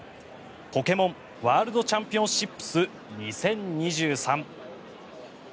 ポケモンワールドチャンピオンシップス２０２３。